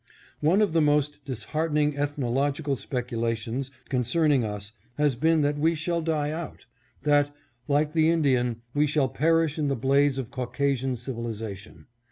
One of the most disheartening ethnological speculations concerning us has been that we shall die out; that, like the Indian, we shall perish in the blaze of Caucasian civilization.